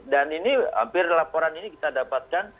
dan ini hampir laporan ini kita dapatkan